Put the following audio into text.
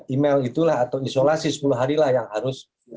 email itulah atau isolasi sepuluh hari lah yang harus